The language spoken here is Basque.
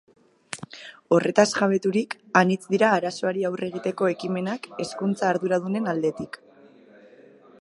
Horretaz jabeturik, anitz dira arazoari aurre egiteko ekimenak hezkuntza-arduradunen aldetik.